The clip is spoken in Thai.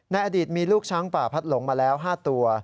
อดีตมีลูกช้างป่าพัดหลงมาแล้ว๕ตัว